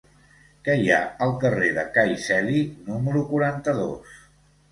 Què hi ha al carrer de Cai Celi número quaranta-dos?